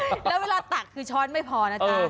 แล้วเวลาตักคือช้อนไม่พอนะจ๊ะ